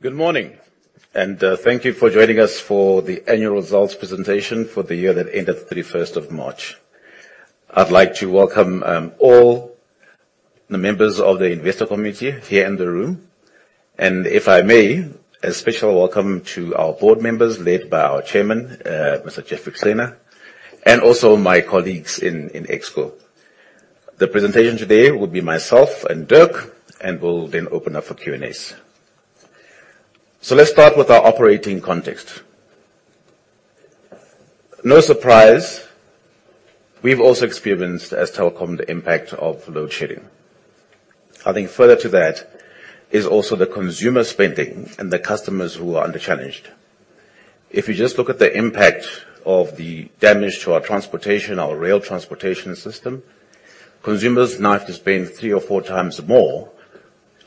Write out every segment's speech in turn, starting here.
Good morning, thank you for joining us for the annual results presentation for the year that ended 31st of March. I'd like to welcome all the members of the investor community here in the room, if I may, a special welcome to our board members, led by our Chairman, Mr. Geoffrey Qhena, and also my colleagues in Exco. The presentation today will be myself and Dirk, we'll then open up for Q&As. Let's start with our operating context. No surprise, we've also experienced, as Telkom, the impact of load shedding. I think further to that is also the consumer spending and the customers who are under challenged. If you just look at the impact of the damage to our transportation, our rail transportation system, consumers now have to spend three or four times more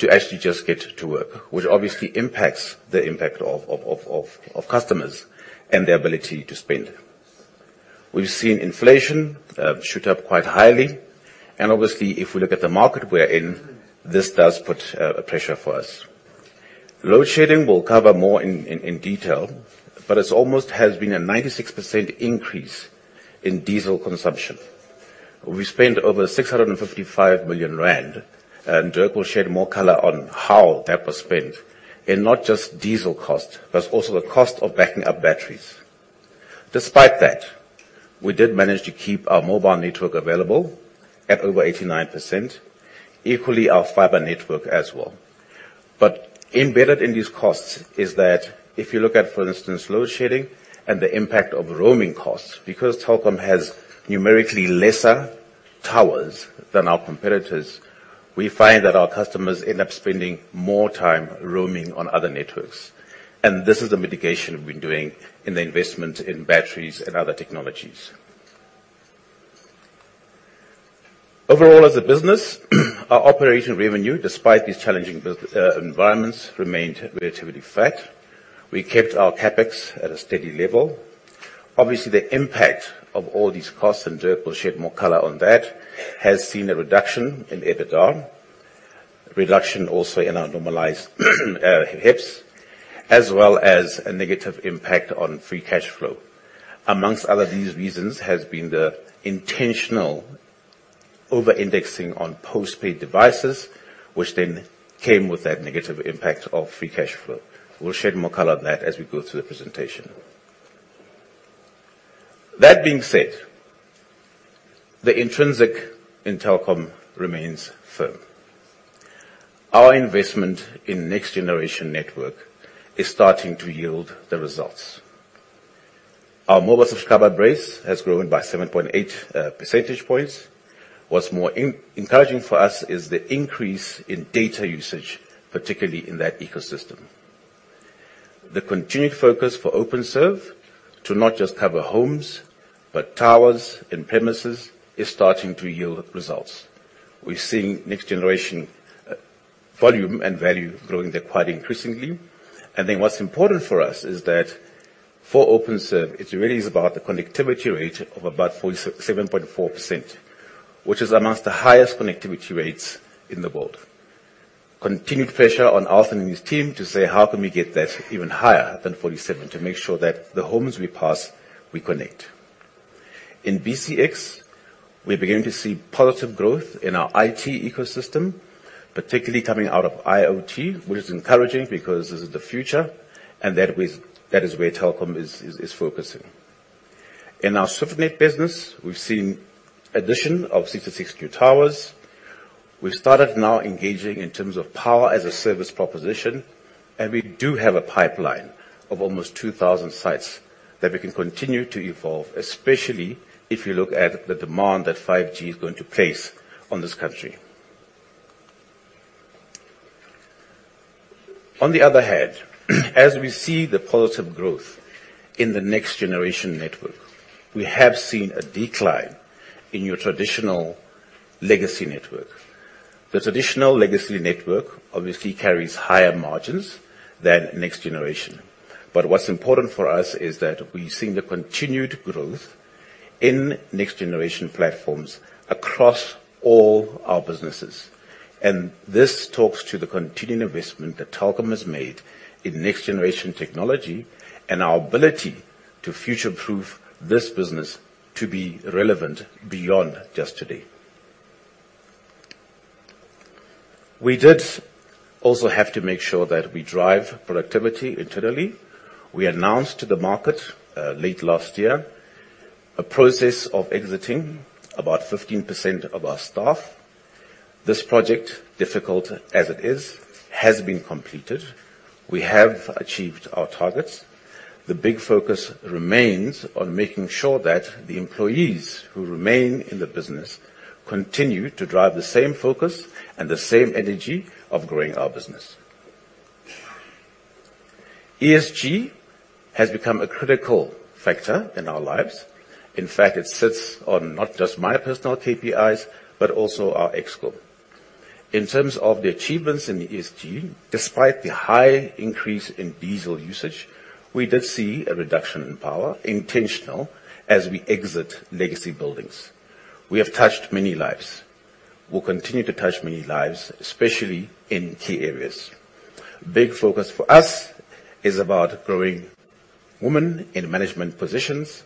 to actually just get to work, which obviously impacts the impact of customers and their ability to spend. We've seen inflation shoot up quite highly. Obviously, if we look at the market we're in, this does put a pressure for us. Load shedding, we'll cover more in detail, it's almost has been a 96% increase in diesel consumption. We spent over 655 million rand. Dirk will shed more color on how that was spent. In not just diesel cost, but also the cost of backing up batteries. Despite that, we did manage to keep our mobile network available at over 89%, equally, our fiber network as well. Embedded in these costs is that if you look at, for instance, load shedding and the impact of roaming costs, because Telkom has numerically lesser towers than our competitors, we find that our customers end up spending more time roaming on other networks, and this is the mitigation we've been doing in the investment in batteries and other technologies. Overall, as a business, our operation revenue, despite these challenging environments, remained relatively flat. We kept our CapEx at a steady level. Obviously, the impact of all these costs, and Dirk will shed more color on that, has seen a reduction in EBITDA, reduction also in our normalized hips, as well as a negative impact on free cash flow. Amongst other these reasons, has been the intentional over-indexing on post-paid devices, which then came with that negative impact of free cash flow. We'll shed more color on that as we go through the presentation. That being said, the intrinsic in Telkom remains firm. Our investment in next-generation network is starting to yield the results. Our mobile subscriber base has grown by 7.8 percentage points. What's more encouraging for us is the increase in data usage, particularly in that ecosystem. The continued focus for Openserve to not just cover homes, but towers and premises, is starting to yield results. We're seeing next-generation volume and value growing there quite increasingly. What's important for us is that for Openserve, it really is about the connectivity rate of about 47.4%, which is amongst the highest connectivity rates in the world. Continued pressure on Arthur and his team to say: How can we get that even higher than 47, to make sure that the homes we pass, we connect? In BCX, we're beginning to see positive growth in our IT ecosystem, particularly coming out of IoT, which is encouraging because this is the future, and that is where Telkom is focusing. In our Swiftnet business, we've seen addition of 66 new towers. We've started now engaging in terms of power as a service proposition, and we do have a pipeline of almost 2,000 sites that we can continue to evolve, especially if you look at the demand that 5G is going to place on this country. On the other hand, as we see the positive growth in the next-generation network, we have seen a decline in your traditional legacy network. The traditional legacy network obviously carries higher margins than next generation. What's important for us is that we've seen the continued growth in next-generation platforms across all our businesses. This talks to the continuing investment that Telkom has made in next-generation technology and our ability to future-proof this business to be relevant beyond just today. We did also have to make sure that we drive productivity internally. We announced to the market late last year, a process of exiting about 15% of our staff. This project, difficult as it is, has been completed. We have achieved our targets. The big focus remains on making sure that the employees who remain in the business continue to drive the same focus and the same energy of growing our business. ESG has become a critical factor in our lives. In fact, it sits on not just my personal KPIs, but also our Exco. In terms of the achievements in the ESG, despite the high increase in diesel usage, we did see a reduction in power, intentional, as we exit legacy buildings. We have touched many lives. We'll continue to touch many lives, especially in key areas. In fact, a big focus for us is about growing women in management positions,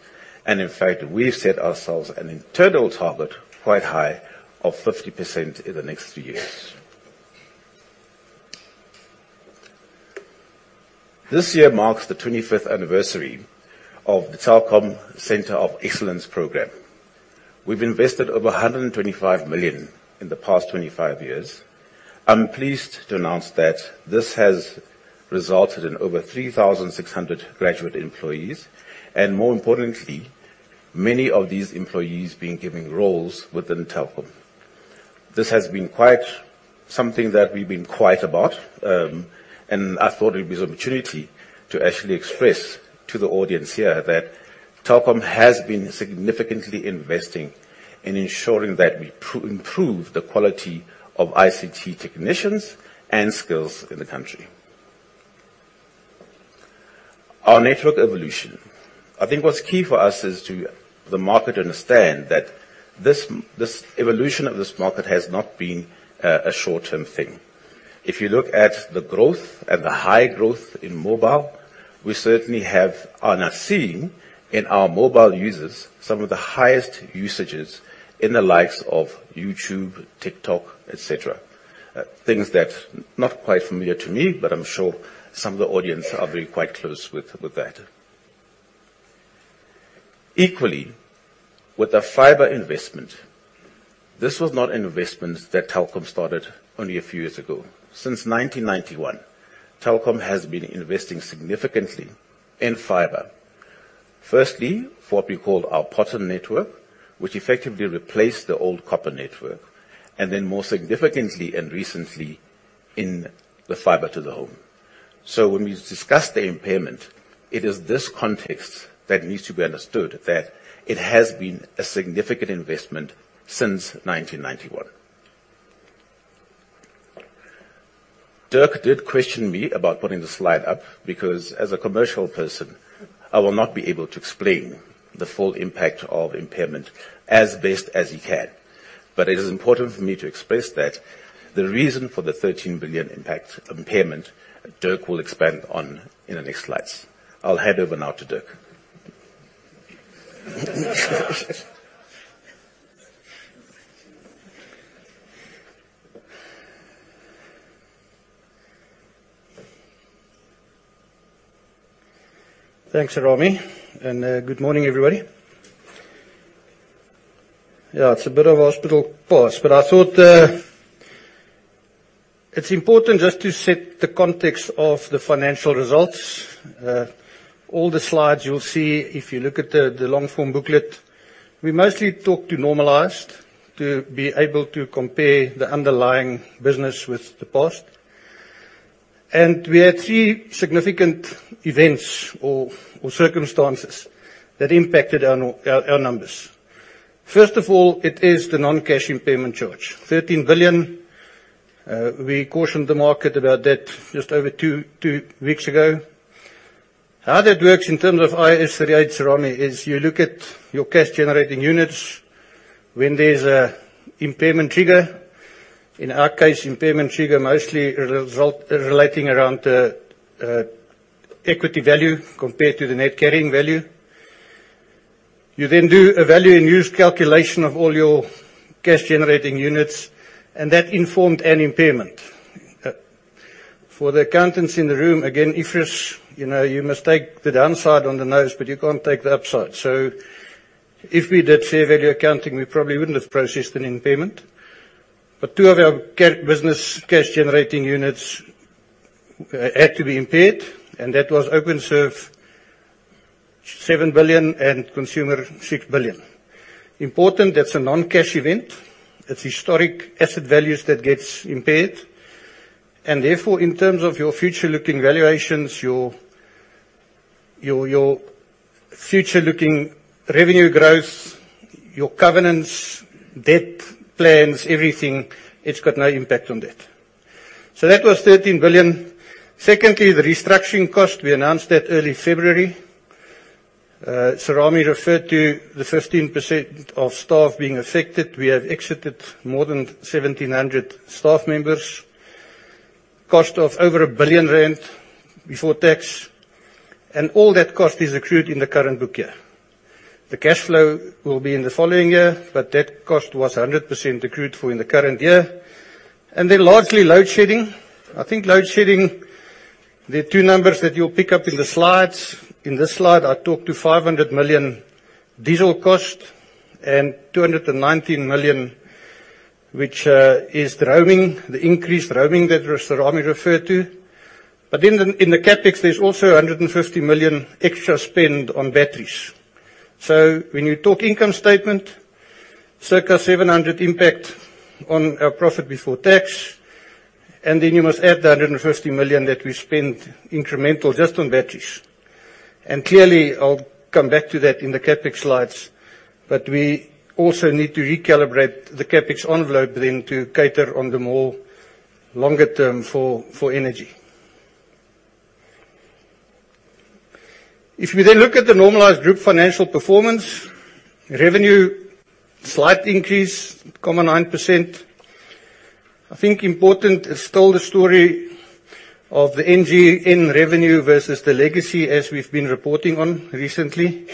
we've set ourselves an internal target, quite high, of 50% in the next three years. This year marks the 25th anniversary of the Telkom Centres of Excellence program. We've invested over 125 million in the past 25 years. I'm pleased to announce that this has resulted in over 3,600 graduate employees, more importantly, many of these employees being given roles within Telkom. This has been quite something that we've been quiet about. I thought it'd be an opportunity to actually express to the audience here that Telkom has been significantly investing in ensuring that we improve the quality of ICT technicians and skills in the country. Our network evolution. I think what's key for us is to the market understand that this evolution of this market has not been a short-term thing. If you look at the growth and the high growth in mobile, we certainly have, are now seeing in our mobile users, some of the highest usages in the likes of YouTube, TikTok, et cetera. Things that's not quite familiar to me. I'm sure some of the audience are very quite close with that. Equally, with the fiber investment, this was not an investment that Telkom started only a few years ago. Since 1991, Telkom has been investing significantly in fiber. Firstly, for what we call our copper network, which effectively replaced the old copper network, and then more significantly and recently in the fiber to the home. When we discuss the impairment, it is this context that needs to be understood, that it has been a significant investment since 1991. Dirk did question me about putting the slide up because, as a commercial person, I will not be able to explain the full impact of impairment as best as he can. It is important for me to express that the reason for the 13 billion impact impairment, Dirk will expand on in the next slides. I'll hand over now to Dirk. Thanks, Serame, good morning, everybody. Yeah, it's a bit of a hospital pass, but I thought it's important just to set the context of the financial results. All the slides you'll see, if you look at the long form booklet, we mostly talk to normalized to be able to compare the underlying business with the past. We had three significant events or circumstances that impacted our numbers. First of all, it is the non-cash impairment charge, 13 billion. We cautioned the market about that just over two weeks ago. How that works in terms of IAS 38, Serame, is you look at your cash-generating units when there's a impairment trigger. In our case, impairment trigger mostly result, relating around equity value compared to the net carrying value. You then do a value and use calculation of all your cash-generating units, and that informed an impairment. For the accountants in the room, again, IFRS, you know, you must take the downside on the nose, but you can't take the upside. If we did fair value accounting, we probably wouldn't have processed an impairment. Two of our business cash generating units had to be impaired, and that was Openserve, 7 billion and consumer, 6 billion. Important, that's a non-cash event. It's historic asset values that gets impaired, and therefore, in terms of your future-looking valuations, your future-looking revenue growth, your covenants, debt plans, everything, it's got no impact on that. That was 13 billion. Secondly, the restructuring cost, we announced that early February. Serame referred to the 15% of staff being affected. We have exited more than 1,700 staff members. Cost of over 1 billion rand before tax, all that cost is accrued in the current book year. The cash flow will be in the following year, that cost was 100% accrued for in the current year. Lastly, load shedding. I think load shedding, the two numbers that you'll pick up in the slides. In this slide, I talked to 500 million diesel cost and 219 million, which is the roaming, the increased roaming that Serame referred to. In the CapEx, there's also 150 million extra spend on batteries. When you talk income statement, circa 700 million impact on our profit before tax, and then you must add the 150 million that we spent incremental just on batteries. Clearly, I'll come back to that in the CapEx slides, but we also need to recalibrate the CapEx envelope then to cater on the more longer term for energy. If we look at the normalized group financial performance, revenue, slight increase, 0.9%. I think important is still the story of the NGN revenue versus the legacy, as we've been reporting on recently.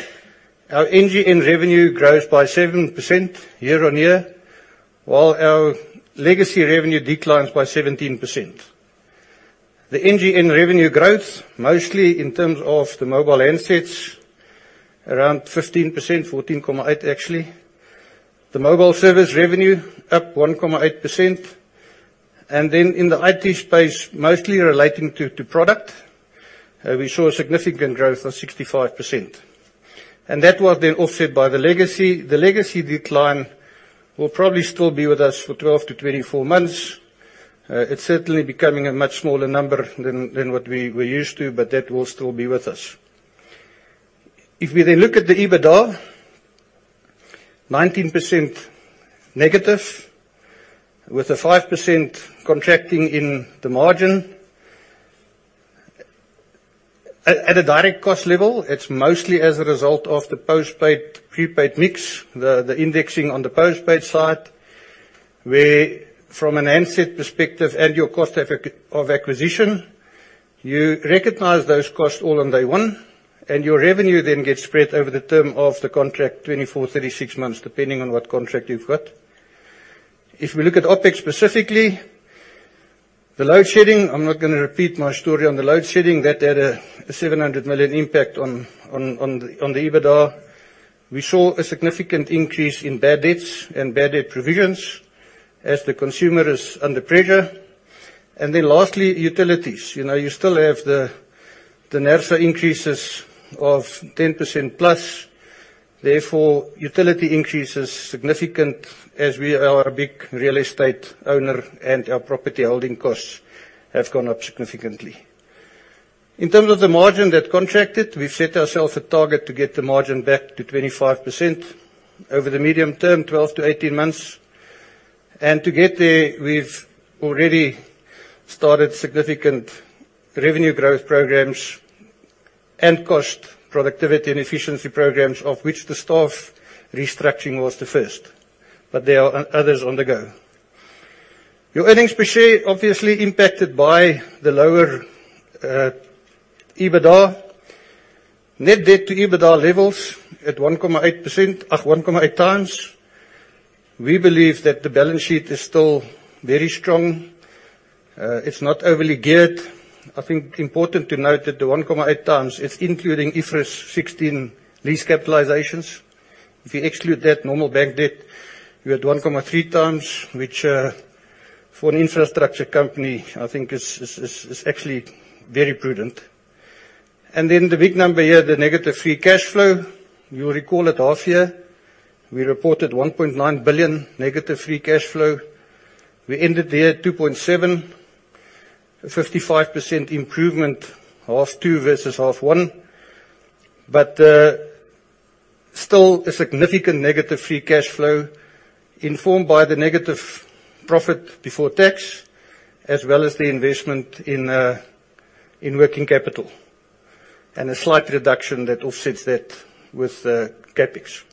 Our NGN revenue grows by 7% year-on-year, while our legacy revenue declines by 17%. The NGN revenue growth, mostly in terms of the mobile handsets, around 15%, 14.8%, actually. The mobile service revenue up 1.8%. In the IT space, mostly relating to product, we saw a significant growth of 65%. That was then offset by the legacy. The legacy decline will probably still be with us for 12-24 months. It's certainly becoming a much smaller number than what we were used to, but that will still be with us. We then look at the EBITDA, 19% negative, with a 5% contracting in the margin. At a direct cost level, it's mostly as a result of the postpaid, prepaid mix, the indexing on the postpaid side, where from a handset perspective and your cost of acquisition, you recognize those costs all on day one, and your revenue then gets spread over the term of the contract, 24, 36 months, depending on what contract you've got. If we look at OpEx specifically, the load shedding, I'm not gonna repeat my story on the load shedding, that had a 700 million impact on the EBITDA. We saw a significant increase in bad debts and bad debt provisions as the consumer is under pressure. Lastly, utilities. You know, you still have the NERSA increases of 10% plus, therefore, utility increase is significant as we are a big real estate owner and our property holding costs have gone up significantly. In terms of the margin that contracted, we've set ourselves a target to get the margin back to 25% over the medium term, 12-18 months. We've already started significant revenue growth programs and cost productivity and efficiency programs, of which the staff restructuring was the first. There are others on the go. Your earnings per share obviously impacted by the lower EBITDA. Net debt to EBITDA levels at 1.8x. We believe that the balance sheet is still very strong. It's not overly geared. I think important to note that the 1.8x, it's including IFRS 16 lease capitalizations. If you exclude that normal bank debt, you're at 1.3x, which for an infrastructure company, I think is actually very prudent. The big number here, the negative free cash flow. You'll recall at half year, we reported 1.9 billion negative free cash flow. We ended the year at 2.7%, a 55% improvement, half two versus half one. Still a significant negative free cash flow, informed by the negative profit before tax, as well as the investment in working capital, and a slight reduction that offsets that with CapEx.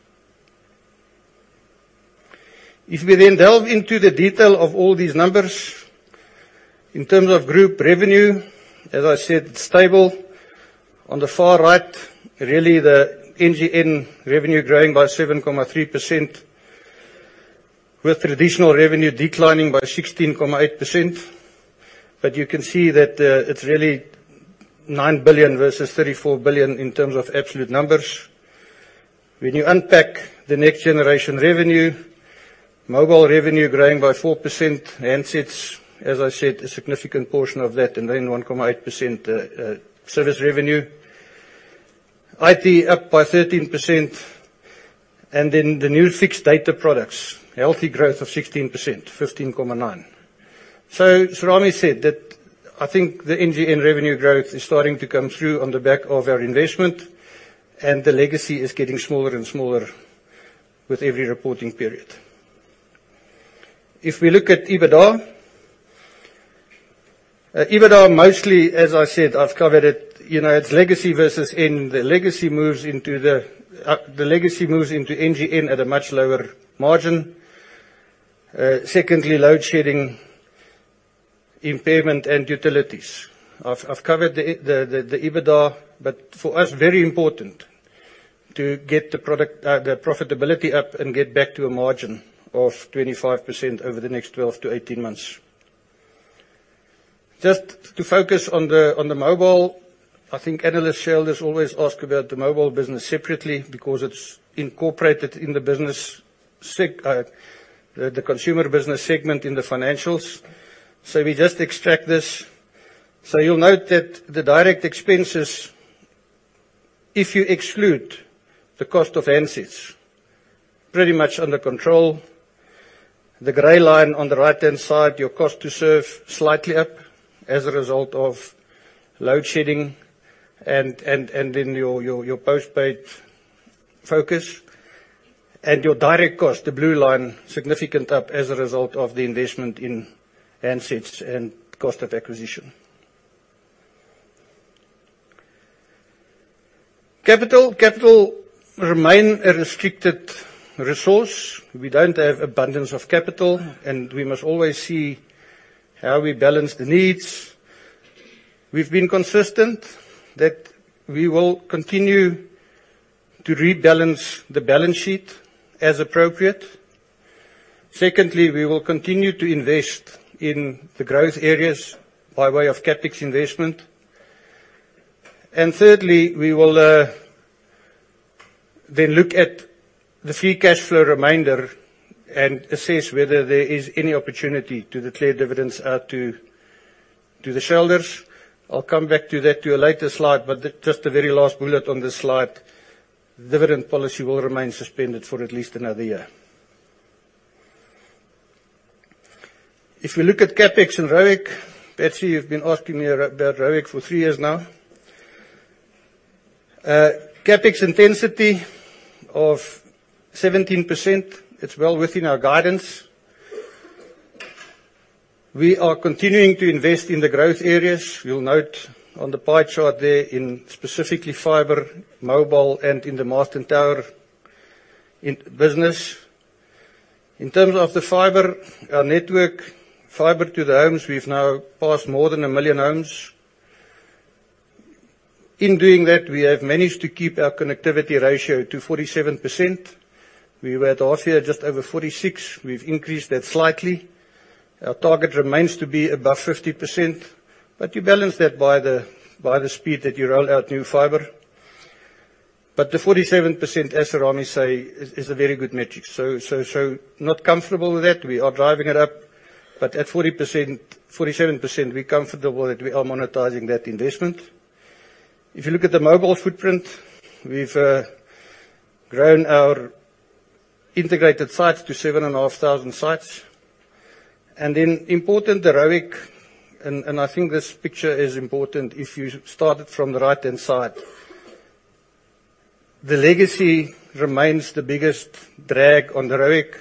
If we then delve into the detail of all these numbers, in terms of group revenue, as I said, it's stable. On the far right, really, the NGN revenue growing by 7.3%, with traditional revenue declining by 16.8%. You can see that it's really 9 billion versus 34 billion in terms of absolute numbers. When you unpack the next generation revenue, mobile revenue growing by 4%. Handsets, as I said, a significant portion of that, and then 1.8% service revenue. IT up by 13%, the new fixed data products, healthy growth of 16%, 15.9%. As Serame said, that I think the NGN revenue growth is starting to come through on the back of our investment, and the legacy is getting smaller and smaller with every reporting period. We look at EBITDA, mostly, as I said, I've covered it, you know, it's legacy versus NG. The legacy moves into NGN at a much lower margin. Secondly, load shedding, impairment, and utilities. I've covered the EBITDA, for us, very important to get the product, the profitability up and get back to a margin of 25% over the next 12-18 months. Just to focus on the mobile, I think analysts, shareholders always ask about the mobile business separately because it's incorporated in the consumer business segment in the financials. We just extract this. You'll note that the direct expenses, if you exclude the cost of handsets, pretty much under control. The gray line on the right-hand side, your cost to serve, slightly up as a result of load shedding and then your postpaid focus. Your direct cost, the blue line, significant up as a result of the investment in handsets and cost of acquisition. Capital. Capital remain a restricted resource. We don't have abundance of capital, and we must always see how we balance the needs. We've been consistent that we will continue to rebalance the balance sheet as appropriate. Secondly, we will continue to invest in the growth areas by way of CapEx investment. Thirdly, we will then look at the free cash flow remainder and assess whether there is any opportunity to declare dividends out to the shareholders. I'll come back to that to a later slide, just the very last bullet on this slide, dividend policy will remain suspended for at least another year. If you look at CapEx and ROIC, Patsy, you've been asking me about ROIC for three years now. CapEx intensity of 17%, it's well within our guidance. We are continuing to invest in the growth areas. You'll note on the pie chart there, in specifically fiber, mobile, and in the Mast and Tower business. In terms of the fiber, our network, fiber to the homes, we've now passed more than a million homes. In doing that, we have managed to keep our connectivity ratio to 47%. We were at half year, just over 46%. We've increased that slightly. Our target remains to be above 50%, you balance that by the speed that you roll out new fibre. The 47%, as Serame say, is a very good metric. Not comfortable with that. We are driving it up, but at 40%, 47%, we're comfortable that we are monetizing that investment. If you look at the mobile footprint, we've grown our integrated sites to 7,500 sites. Important, the ROIC, and I think this picture is important if you start it from the right-hand side. The legacy remains the biggest drag on the ROIC,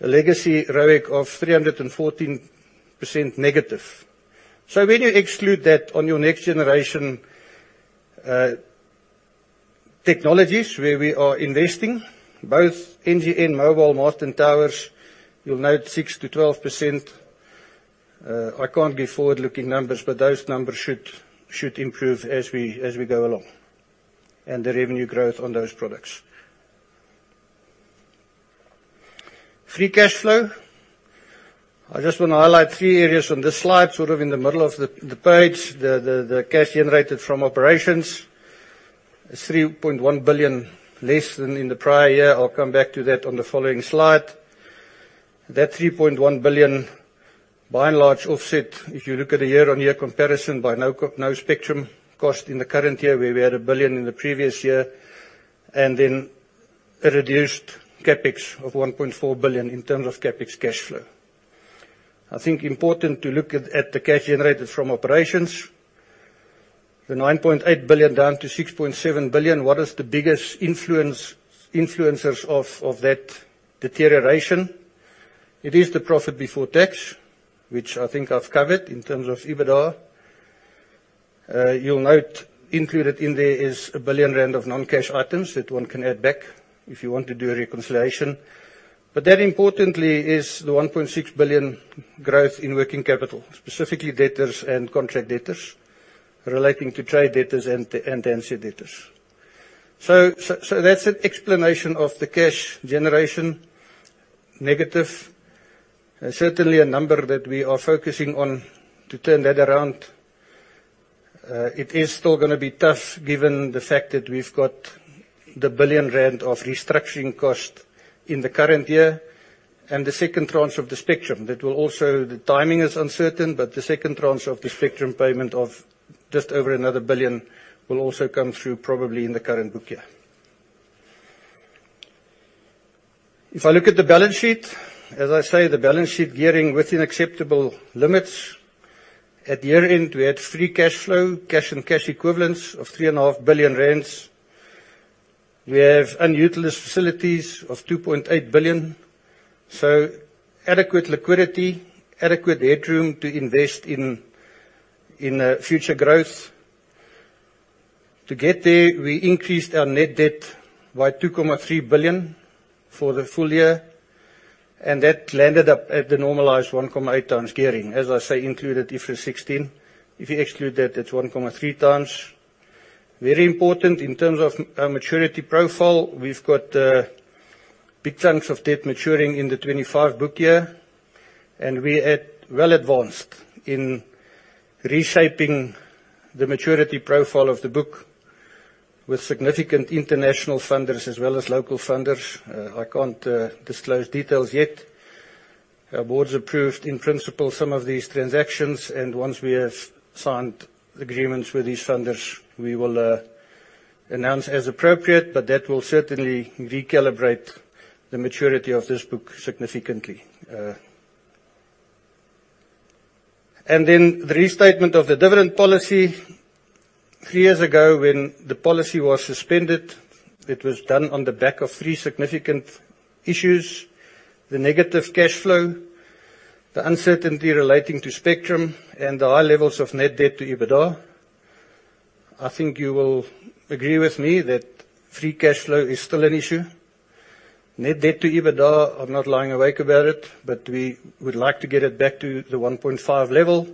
the legacy ROIC of 314% negative. When you exclude that on your next generation technologies, where we are investing, both NGN Mobile, Masts and Towers, you'll note 6%-12%. I can't give forward-looking numbers, but those numbers should improve as we go along, and the revenue growth on those products. Free cash flow. I just want to highlight three areas on this slide, sort of in the middle of the page, the cash generated from operations. It's 3.1 billion, less than in the prior year. I'll come back to that on the following slide. That 3.1 billion, by and large, offset, if you look at a year-on-year comparison, by no spectrum cost in the current year, where we had 1 billion in the previous year, and then a reduced CapEx of 1.4 billion in terms of CapEx cash flow. I think important to look at the cash generated from operations. The 9.8 billion down to 6.7 billion, what is the biggest influence, influencers of that deterioration? It is the profit before tax, which I think I've covered in terms of EBITDA. You'll note, included in there is 1 billion rand of non-cash items that one can add back if you want to do a reconciliation. That importantly is the 1.6 billion growth in working capital, specifically debtors and contract debtors, relating to trade debtors and ARC debtors. That's an explanation of the cash generation negative. Certainly a number that we are focusing on to turn that around. It is still gonna be tough given the fact that we've got the 1 billion rand of restructuring cost in the current year, and the second tranche of the spectrum. That will also, the timing is uncertain, but the second tranche of the spectrum payment of just over another 1 billion will also come through probably in the current book year. If I look at the balance sheet, as I say, the balance sheet gearing within acceptable limits. At year-end, we had free cash flow, cash and cash equivalents of 3.5 billion rand. We have unutilized facilities of 2.8 billion, so adequate liquidity, adequate headroom to invest in future growth. To get there, we increased our net debt by 2.3 billion for the full year. That landed up at the normalized 1.8x gearing. As I say, included IFRS 16. If you exclude that, it's 1.3x. Very important in terms of our maturity profile, we've got big chunks of debt maturing in the 2025 book year. We are at well advanced in reshaping the maturity profile of the book with significant international funders as well as local funders. I can't disclose details yet. Our boards approved, in principle, some of these transactions. Once we have signed agreements with these funders, we will announce as appropriate. That will certainly recalibrate the maturity of this book significantly. Then the restatement of the dividend policy. Three years ago, when the policy was suspended, it was done on the back of three significant issues: the negative cash flow, the uncertainty relating to spectrum, and the high levels of net debt to EBITDA. I think you will agree with me that free cash flow is still an issue. Net debt to EBITDA, I'm not lying awake about it, but we would like to get it back to the 1.5 level.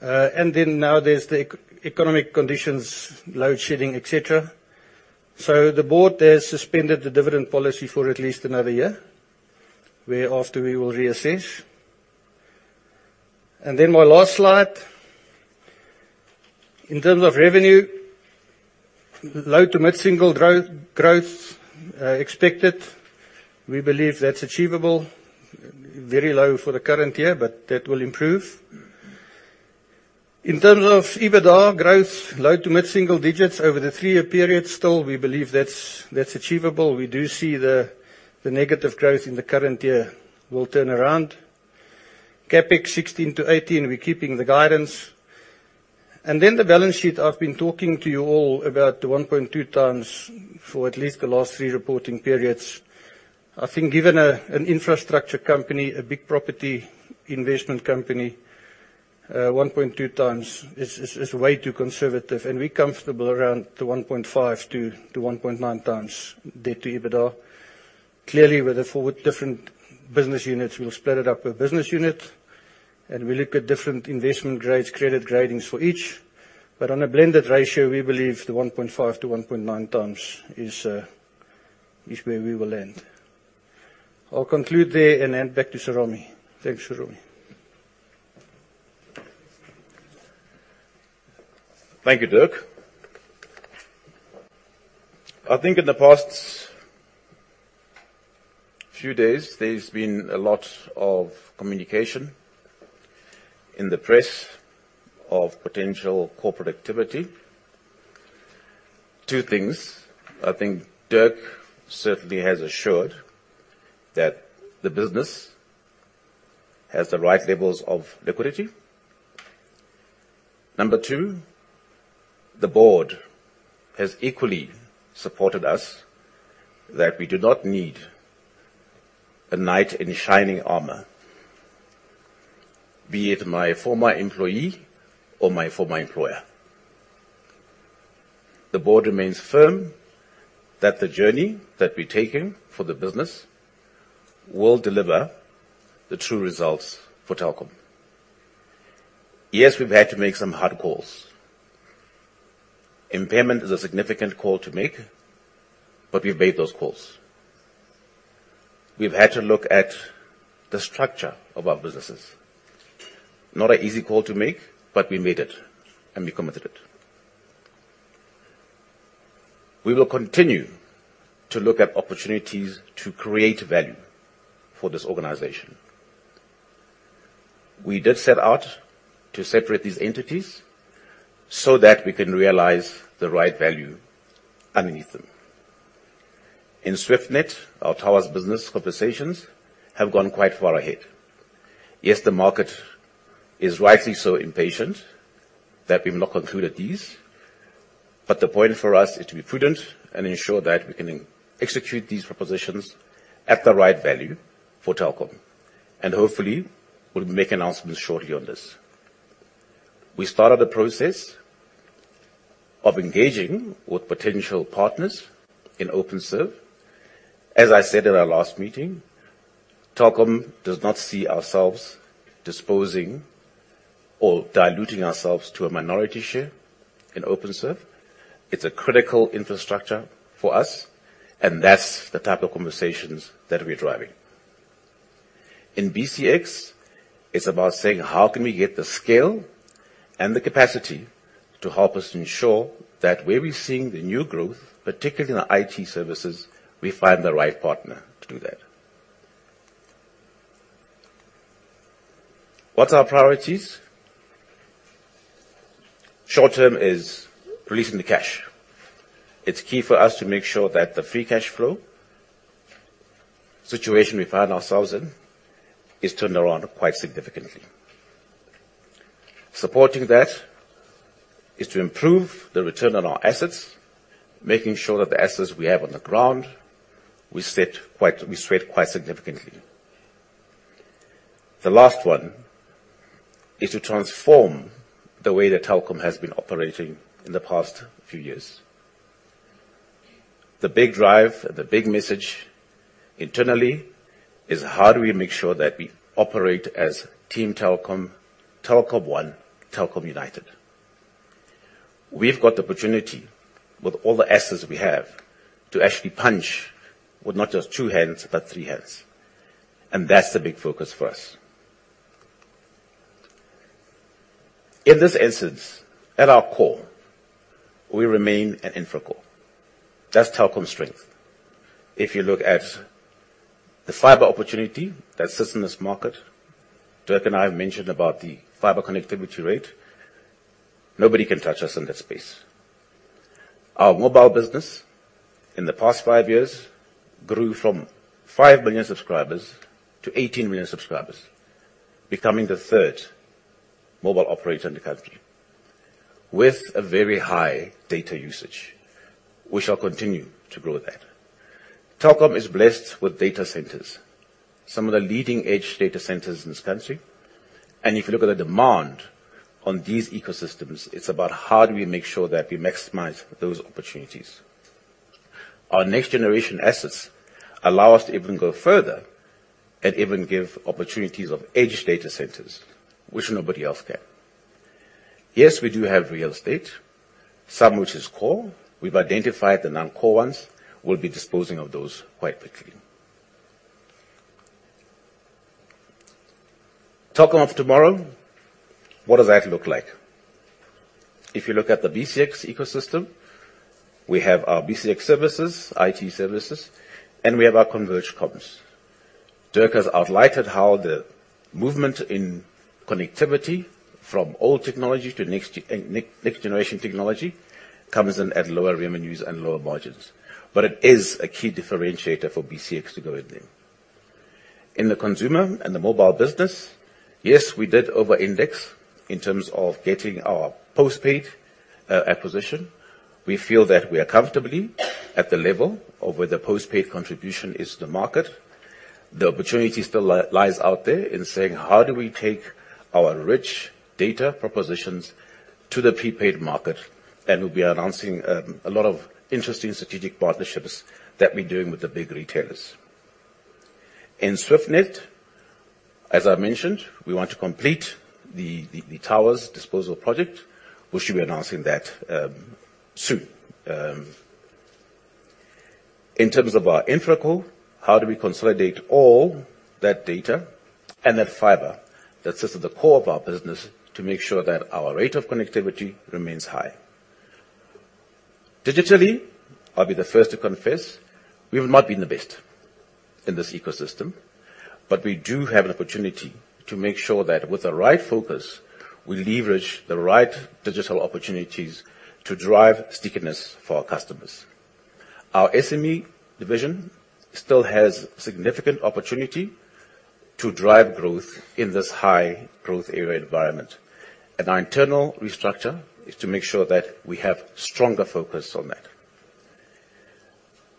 Now there's the economic conditions, load shedding, et cetera. The board has suspended the dividend policy for at least another year, whereafter we will reassess. My last slide. In terms of revenue, low to mid-single growth expected. We believe that's achievable. Very low for the current year, but that will improve. In terms of EBITDA growth, low to mid-single digits over the three-year period, still, we believe that's achievable. We do see the negative growth in the current year will turn around. CapEx 16%-18%, we're keeping the guidance. Then the balance sheet, I've been talking to you all about the 1.2x for at least the last three reporting periods. I think given an infrastructure company, a big property investment company, 1.2x is way too conservative, and we're comfortable around the 1.5x-1.9x debt to EBITDA. With the four different business units, we'll split it up by business unit, and we look at different investment grades, credit gradings for each. On a blended ratio, we believe the 1.5x-1.9x is where we will end. I'll conclude there and hand back to Serame. Thanks, Serame. Thank you, Dirk. I think in the past few days, there's been a lot of communication in the press of potential corporate activity. Two things: I think Dirk certainly has assured that the business has the right levels of liquidity. Number two, the board has equally supported us that we do not need a knight in shining armor, be it my former employee or my former employer. The board remains firm that the journey that we're taking for the business will deliver the true results for Telkom. Yes, we've had to make some hard calls. Impairment is a significant call to make, but we've made those calls. We've had to look at the structure of our businesses. Not an easy call to make, but we made it and we committed it. We will continue to look at opportunities to create value for this organization. We did set out to separate these entities so that we can realize the right value underneath them. In Swiftnet, our towers business conversations have gone quite far ahead. The market is rightly so impatient that we've not concluded these. The point for us is to be prudent and ensure that we can execute these propositions at the right value for Telkom. Hopefully, we'll make announcements shortly on this. We started a process of engaging with potential partners in Openserve. As I said in our last meeting, Telkom does not see ourselves disposing or diluting ourselves to a minority share in Openserve. It's a critical infrastructure for us. That's the type of conversations that we're driving. In BCX, it's about saying, how can we get the scale and the capacity to help us ensure that where we're seeing the new growth, particularly in the IT services, we find the right partner to do that. What are our priorities? Short term is releasing the cash. It's key for us to make sure that the free cash flow situation we find ourselves in is turned around quite significantly. Supporting that is to improve the return on our assets, making sure that the assets we have on the ground, we sweat quite significantly. The last one is to transform the way that Telkom has been operating in the past few years. The big drive and the big message internally is how do we make sure that we operate as Team Telkom, Telkom One, Telkom United? We've got the opportunity, with all the assets we have, to actually punch with not just two hands, but three hands, and that's the big focus for us. In this instance, at our core, we remain an InfraCo. That's Telkom's strength. If you look at the fiber opportunity that sits in this market, Dirk and I have mentioned about the fiber connectivity rate, nobody can touch us in that space. Our mobile business, in the past five years, grew from five million subscribers to 18 million subscribers, becoming the third mobile operator in the country, with a very high data usage. We shall continue to grow that. Telkom is blessed with data centers, some of the leading-edge data centers in this country, and if you look at the demand on these ecosystems, it's about how do we make sure that we maximize those opportunities? Our next-generation assets allow us to even go further and even give opportunities of edge data centers, which nobody else can. Yes, we do have real estate, some which is core. We've identified the non-core ones. We'll be disposing of those quite quickly. Telkom of tomorrow, what does that look like? If you look at the BCX ecosystem, we have our BCX services, IT services, and we have our converged comms. Dirk has outlined how the movement in connectivity from old technology to next-generation technology comes in at lower revenues and lower margins, but it is a key differentiator for BCX to go with them. In the consumer and the mobile business, yes, we did over-index in terms of getting our postpaid acquisition. We feel that we are comfortably at the level of where the postpaid contribution is to the market. The opportunity still lies out there in saying, how do we take our rich data propositions to the prepaid market? We'll be announcing a lot of interesting strategic partnerships that we're doing with the big retailers. In Swiftnet, as I mentioned, we want to complete the towers disposal project, we should be announcing that soon. In terms of our InfraCo, how do we consolidate all that data and that fiber that sits at the core of our business to make sure that our rate of connectivity remains high? Digitally, I'll be the first to confess, we have not been the best in this ecosystem, but we do have an opportunity to make sure that with the right focus, we leverage the right digital opportunities to drive stickiness for our customers. Our SME division still has significant opportunity to drive growth in this high growth area environment, and our internal restructure is to make sure that we have stronger focus on that.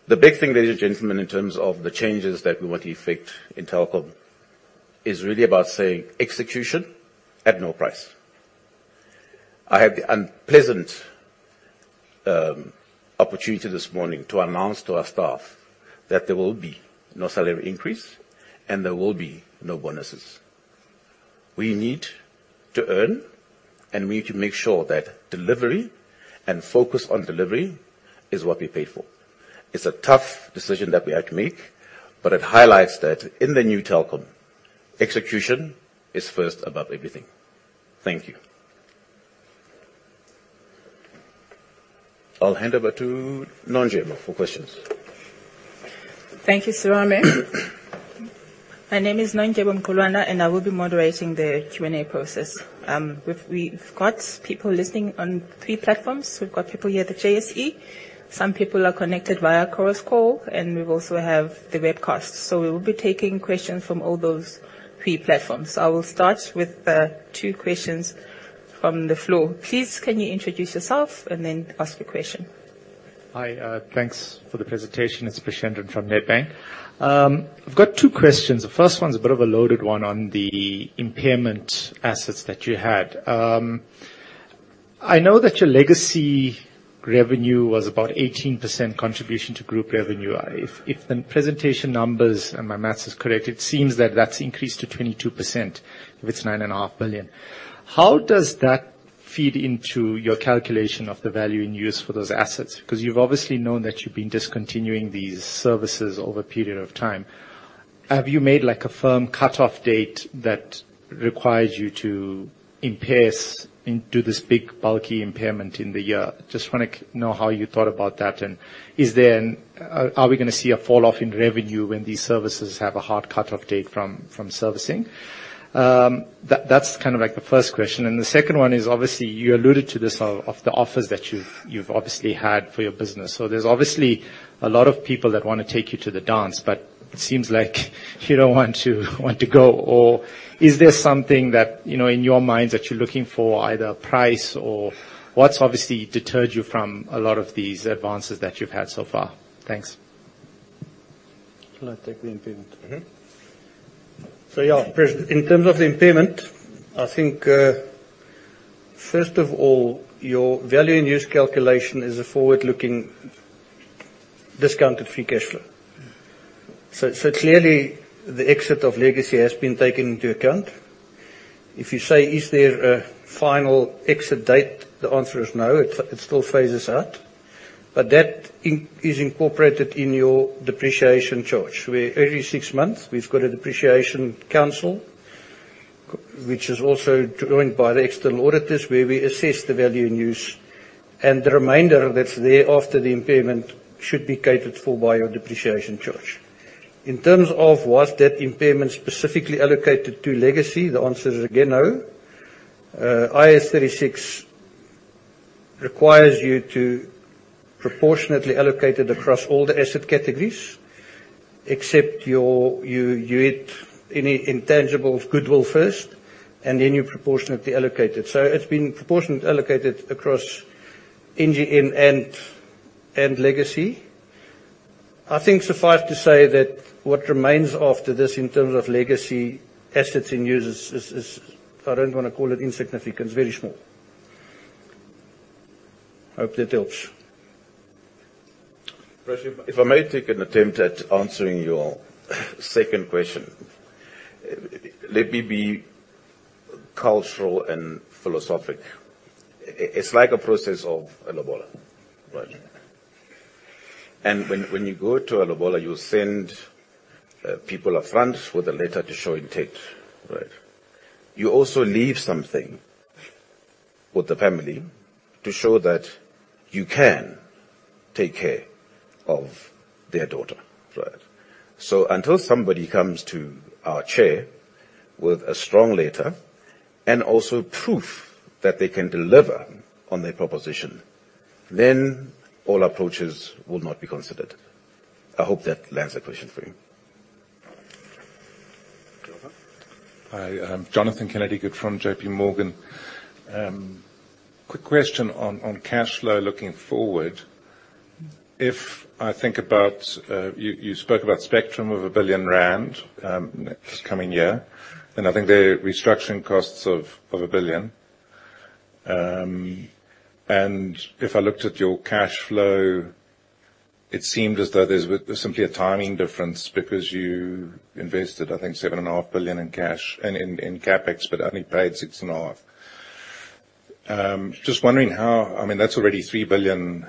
The big thing, ladies and gentlemen, in terms of the changes that we want to effect in Telkom, is really about saying execution at no price. I had the unpleasant opportunity this morning to announce to our staff that there will be no salary increase and there will be no bonuses. We need to earn, and we need to make sure that delivery and focus on delivery is what we paid for. It's a tough decision that we had to make, but it highlights that in the new Telkom, execution is first above everything. Thank you. I'll hand over to Nondyebo for questions. Thank you, Serame. My name is Nondyebo Mqulwana, and I will be moderating the Q&A process. We've got people listening on three platforms. We've got people here at the JSE, some people are connected via Chorus Call, and we also have the webcast. We will be taking questions from all those three platforms. I will start with two questions from the floor. Please, can you introduce yourself and then ask your question? Hi, thanks for the presentation. It's Preshendran from Nedbank. I've got two questions. The first one is a bit of a loaded one on the impairment assets that you had. I know that your legacy revenue was about 18% contribution to group revenue. If the presentation numbers and my math is correct, it seems that that's increased to 22%, if it's nine and a half billion. How does that feed into your calculation of the value and use for those assets? You've obviously known that you've been discontinuing these services over a period of time. Have you made, like, a firm cutoff date that requires you to impair and do this big, bulky impairment in the year? Just wanna know how you thought about that, and is there an... Are we gonna see a falloff in revenue when these services have a hard cutoff date from servicing? That's kind of, like, the first question. The second one is, obviously, you alluded to this of the offers that you've obviously had for your business. There's obviously a lot of people that wanna take you to the dance, but it seems like you don't want to go, or is there something that, you know, in your mind, that you're looking for either a price or what's obviously deterred you from a lot of these advances that you've had so far? Thanks. I'll take the impairment. Yeah, in terms of the impairment, I think, first of all, your value and use calculation is a forward-looking, discounted free cash flow. Clearly, the exit of legacy has been taken into account. If you say, is there a final exit date? The answer is no. It still phases out, but that is incorporated in your depreciation charge, where every six months we've got a depreciation council, which is also joined by the external auditors, where we assess the value in use, and the remainder that's there after the impairment should be catered for by your depreciation charge. In terms of was that impairment specifically allocated to legacy? The answer is again, no. IAS 36 requires you to proportionately allocate it across all the asset categories, except you hit any intangible goodwill first, and then you proportionately allocate it. It's been proportionately allocated across NGN and legacy. I think suffice to say that what remains after this in terms of legacy assets in use is, I don't wanna call it insignificant, it's very small. Hope that helps. Preshendran, if I may take an attempt at answering your second question. Let me be cultural and philosophic. It's like a process of a lobola, right? When you go to a lobola, you send people upfront with a letter to show intent, right? You also leave something with the family to show that you can take care of their daughter, right? Until somebody comes to our chair with a strong letter and also proof that they can deliver on their proposition, then all approaches will not be considered. I hope that answers the question for you. Jonathan. Hi, I'm Jonathan Kennedy-Good from JPMorgan. Quick question on cash flow looking forward. If I think about, You spoke about spectrum of 1 billion rand next coming year, and I think the restructuring costs of 1 billion. If I looked at your cash flow, it seemed as though there's simply a timing difference because you invested, I think, 7.5 billion in cash and in CapEx, but only paid 6.5 billion. Just wondering I mean, that's already 3 billion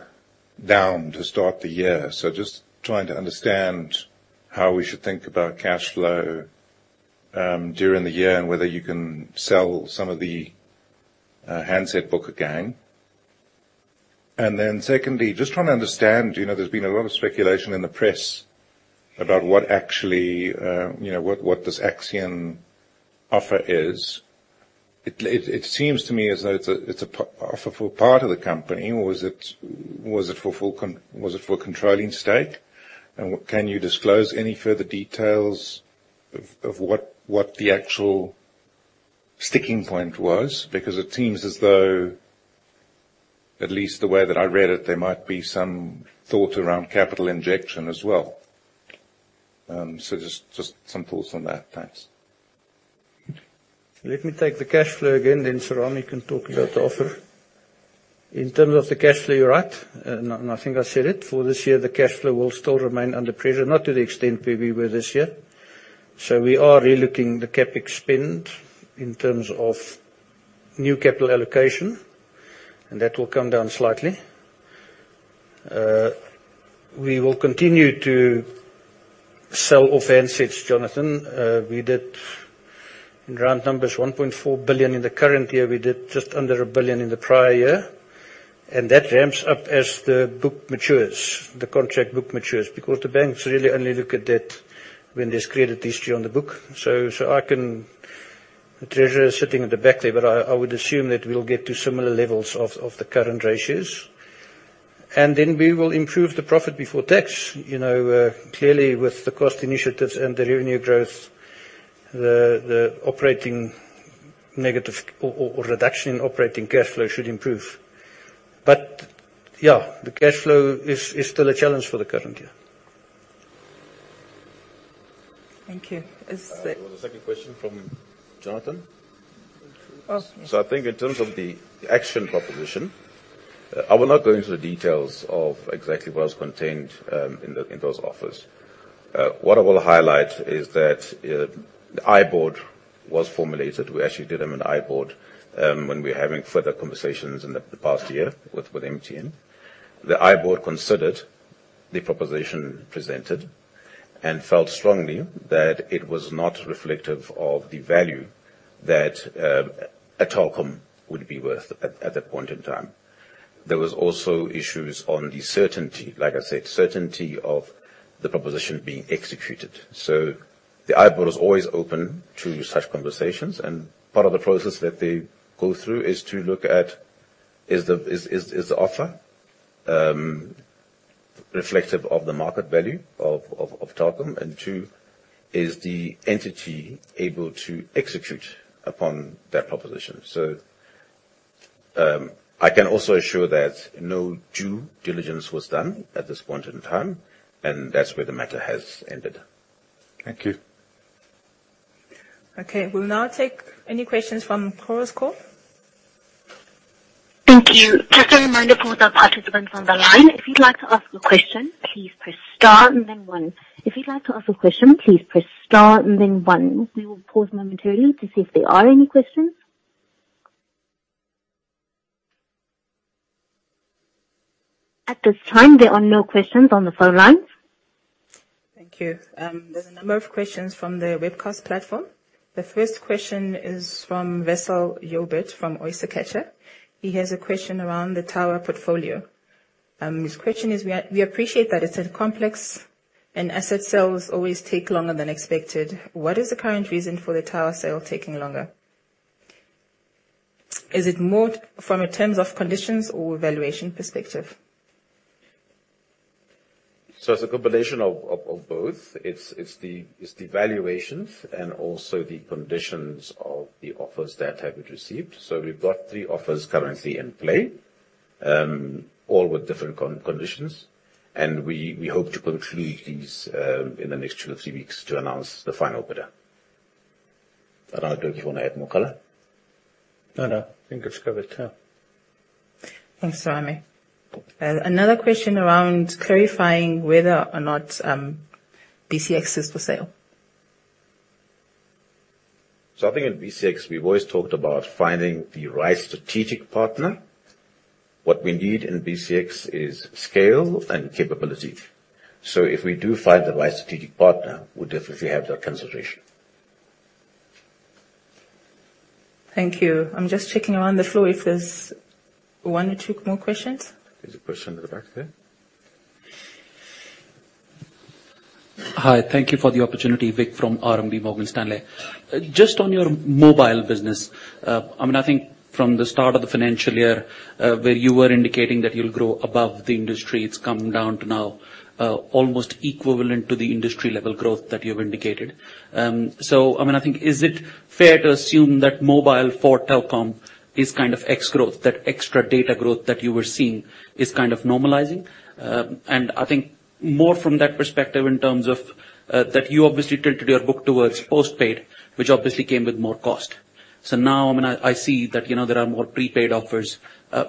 down to start the year, just trying to understand how we should think about cash flow during the year, and whether you can sell some of the handset book again. Secondly, just trying to understand, you know, there's been a lot of speculation in the press about what actually, you know, what this Axian offer is. It seems to me as though it's a, it's a offer for part of the company, or was it, was it for full Was it for a controlling stake? Can you disclose any further details of what the actual sticking point was? It seems as though, at least the way that I read it, there might be some thought around capital injection as well. Just some thoughts on that. Thanks. Let me take the cash flow again, Serame can talk about the offer. In terms of the cash flow, you're right, and I think I said it, for this year, the cash flow will still remain under pressure, not to the extent where we were this year. We are relooking the CapEx spend in terms of new capital allocation, and that will come down slightly. We will continue to sell off handsets, Jonathan. We did, in round numbers, 1.4 billion in the current year. We did just under 1 billion in the prior year, and that ramps up as the book matures, the contract book matures. The banks really only look at that when there's credit history on the book. I can... The treasurer is sitting at the back there, but I would assume that we'll get to similar levels of the current ratios. We will improve the profit before tax. You know, clearly, with the cost initiatives and the revenue growth, the operating negative or reduction in operating cash flow should improve. Yeah, the cash flow is still a challenge for the current year. Thank you. Is? There was a second question from Jonathan? Oh, yes. I think in terms of the Axian proposition, I will not go into the details of exactly what was contained in those offers. What I will highlight is that the I-Board was formulated. We actually did have an I-Board when we were having further conversations in the past year with MTN. The I-Board considered the proposition presented and felt strongly that it was not reflective of the value that a Telkom would be worth at that point in time. There was also issues on the certainty, like I said, certainty of the proposition being executed. The I-Board is always open to such conversations, and part of the process that they go through is to look at, is the offer, reflective of the market value of Telkom, and two, is the entity able to execute upon that proposition? I can also assure that no due diligence was done at this point in time, and that's where the matter has ended. Thank you. Okay, we'll now take any questions from Chorus Call. Thank you. Just a reminder for the participants on the line, if you'd like to ask a question, please press star and then one. If you'd like to ask a question, please press star and then one. We will pause momentarily to see if there are any questions. At this time, there are no questions on the phone line. Thank you. There's a number of questions from the webcast platform. The first question is from Wessel Joubert, from Oyster Catcher. He has a question around the tower portfolio. His question is, we appreciate that it's complex and asset sales always take longer than expected. What is the current reason for the tower sale taking longer? Is it more from a terms of conditions or valuation perspective? It's a combination of both. It's the valuations and also the conditions of the offers that have been received. We've got three offers currently in play, all with different conditions, and we hope to conclude these in the next two or three weeks to announce the final bidder. I don't know if you want to add more color? No, no, I think it's covered. Yeah. Thanks, Serame. Another question around clarifying whether or not BCX is for sale? I think in BCX, we've always talked about finding the right strategic partner. What we need in BCX is scale and capability. If we do find the right strategic partner, we'll definitely have that consideration. Thank you. I'm just checking around the floor if there's one or two more questions. There's a question at the back there. Hi. Thank you for the opportunity. Vic from RMB Morgan Stanley. Just on your mobile business, I mean, I think from the start of the financial year, where you were indicating that you'll grow above the industry, it's come down to now, almost equivalent to the industry level growth that you have indicated. I mean, I think is it fair to assume that mobile for Telkom is kind of X growth, that extra data growth that you were seeing is kind of normalizing? I think more from that perspective, in terms of that you obviously tilted your book towards postpaid, which obviously came with more cost. Now, I mean, I see that, you know, there are more prepaid offers.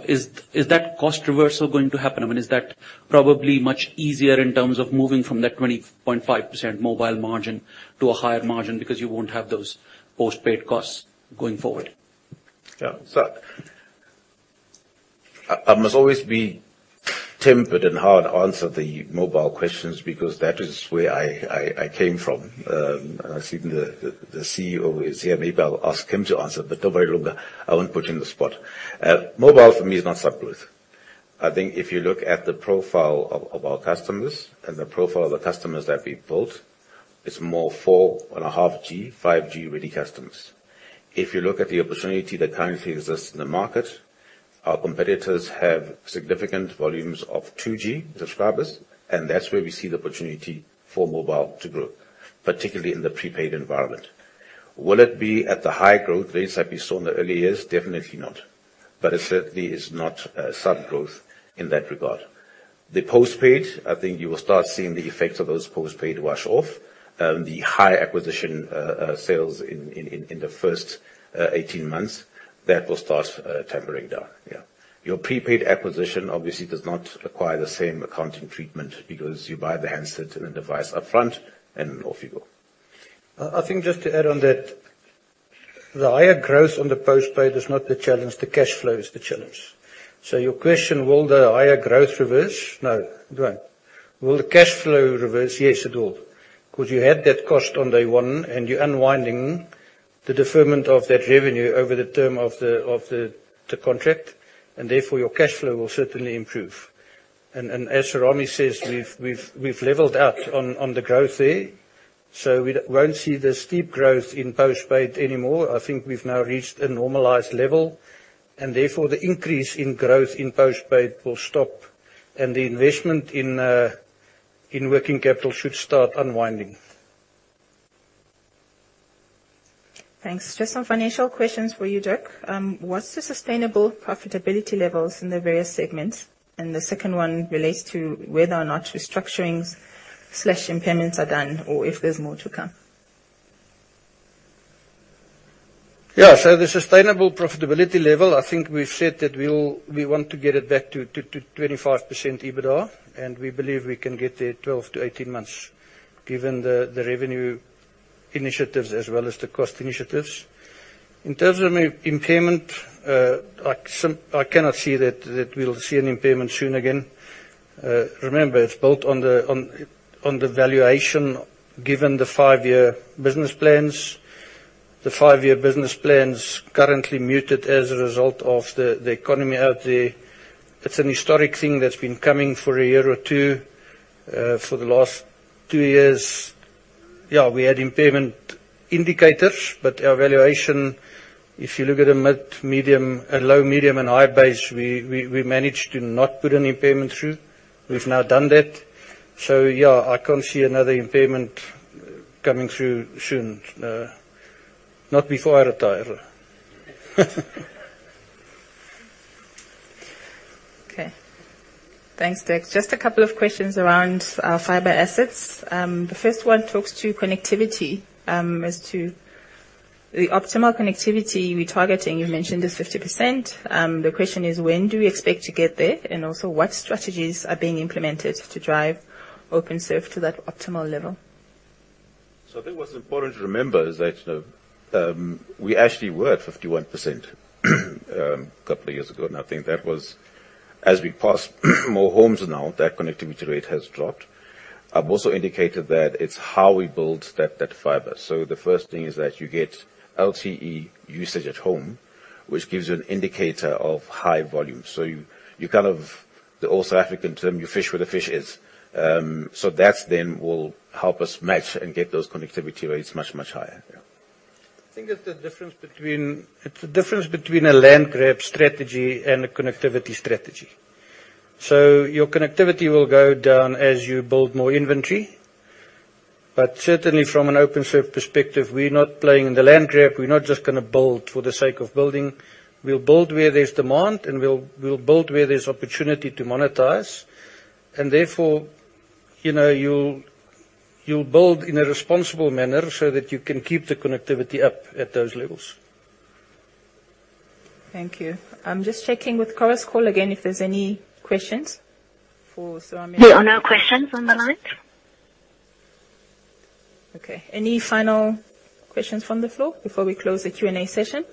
Is that cost reversal going to happen? I mean, is that probably much easier in terms of moving from that 20.5% mobile margin to a higher margin because you won't have those postpaid costs going forward? I must always be tempered and hard answer the mobile questions because that is where I came from. I see the CEO is here, maybe I'll ask him to answer, don't worry, Lunga, I won't put you on the spot. Mobile, for me, is not sub growth. I think if you look at the profile of our customers and the profile of the customers that we built, it's more 4.5G-ready customers. If you look at the opportunity that currently exists in the market, our competitors have significant volumes of 2G subscribers, that's where we see the opportunity for mobile to grow, particularly in the prepaid environment. Will it be at the high growth rates that we saw in the early years? Definitely not. It certainly is not, sub growth in that regard. The postpaid, I think you will start seeing the effects of those postpaid wash off. The high acquisition, sales in the first 18 months, that will start tampering down. Yeah. Your prepaid acquisition obviously does not require the same accounting treatment because you buy the handset and the device upfront, and off you go. I think just to add on that, the higher growth on the postpaid is not the challenge, the cash flow is the challenge. Your question, will the higher growth reverse? No, it won't. Will the cash flow reverse? Yes, it will, 'cause you had that cost on day one, and you're unwinding the deferment of that revenue over the term of the contract, and therefore, your cash flow will certainly improve. As Serame says, we've leveled out on the growth there, so we won't see the steep growth in postpaid anymore. I think we've now reached a normalized level, and therefore, the increase in growth in postpaid will stop, and the investment in working capital should start unwinding. Thanks. Just some financial questions for you, Dirk. What's the sustainable profitability levels in the various segments? The second one relates to whether or not restructurings/impairments are done or if there's more to come? The sustainable profitability level, I think we want to get it back to 25% EBITDA, and we believe we can get there 12-18 months, given the revenue initiatives as well as the cost initiatives. In terms of impairment, I cannot see that we'll see an impairment soon again. Remember, it's built on the valuation, given the five year business plans. The five year business plan's currently muted as a result of the economy out there. It's an historic thing that's been coming for a year or two. For the last two years, yeah, we had impairment indicators, our valuation, if you look at the mid, medium, low, medium, and high base, we managed to not put an impairment through. We've now done that, so yeah, I can't see another impairment coming through soon. Not before I retire. Okay. Thanks, Dirk. Just a couple of questions around our fiber assets. The first one talks to connectivity, as to the optimal connectivity we're targeting. You mentioned is 50%. The question is: When do we expect to get there? What strategies are being implemented to drive Openserve to that optimal level? I think what's important to remember is that, you know, we actually were at 51%, a couple of years ago, and I think that was as we passed more homes now, that connectivity rate has dropped. I've also indicated that it's how we build that fiber. The first thing is that you get LTE usage at home, which gives you an indicator of high volume. You, you kind of, the old South African term, you fish where the fish is. That's then will help us match and get those connectivity rates much, much higher. Yeah. I think that's the difference. It's the difference between a land grab strategy and a connectivity strategy. Your connectivity will go down as you build more inventory. Certainly from an Openserve perspective, we're not playing in the land grab. We're not just gonna build for the sake of building. We'll build where there's demand, and we'll build where there's opportunity to monetize. Therefore, you know, you'll build in a responsible manner so that you can keep the connectivity up at those levels. Thank you. I'm just checking with conference call again, if there's any questions for Serame. There are no questions on the line. Okay. Any final questions from the floor before we close the Q&A session?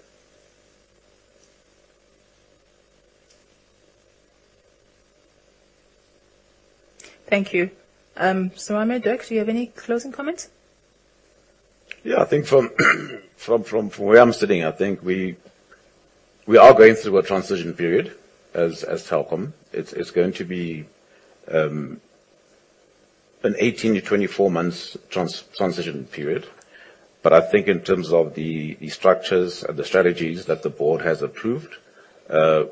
Thank you. Serame, Dirk, do you have any closing comments? Yeah, I think from where I'm sitting, I think we are going through a transition period as Telkom. It's going to be an 18-24 months transition period. I think in terms of the structures and the strategies that the board has approved,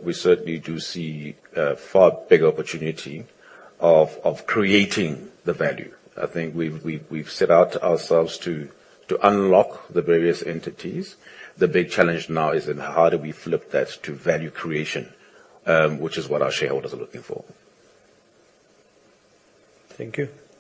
we certainly do see a far bigger opportunity of creating the value. I think we've set out ourselves to unlock the various entities. The big challenge now is in how do we flip that to value creation, which is what our shareholders are looking for. Thank you.